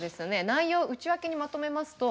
内容を内訳にまとめますと。